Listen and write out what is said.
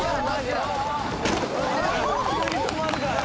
「急に止まるから」